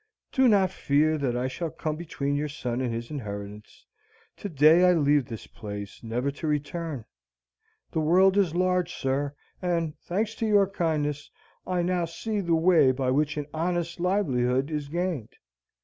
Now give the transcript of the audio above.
"Do not fear that I shall come between your son and his inheritance. To day I leave this place, never to return. The world is large, sir, and, thanks to your kindness, I now see the way by which an honest livelihood is gained.